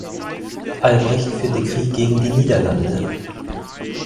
Albrecht führte Krieg gegen die Niederlande.